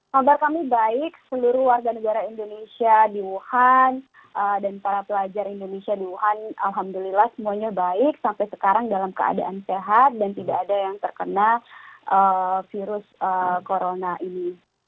kabar kami baik seluruh warga negara indonesia di wuhan dan para pelajar indonesia di wuhan alhamdulillah semuanya baik sampai sekarang dalam keadaan sehat dan tidak ada yang terkena virus corona ini